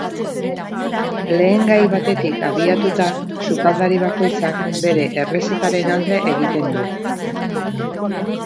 Lehengai batetik abiatuta, sukaldari bakoitzak bere errezetaren alde egiten du.